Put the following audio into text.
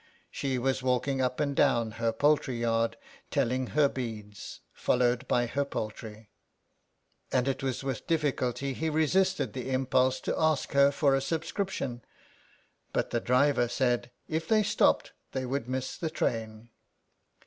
She was walking up and down her poultry yard, telling her beads, followed by her poultry ; and it was with difficulty that he resisted the impulse to ask her for a subscrip tion, but the driver said if they stopped they would miss the train.